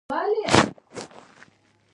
مړه ته د روژې دعا غوره ده